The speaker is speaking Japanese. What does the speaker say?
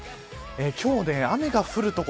今日は雨が降る所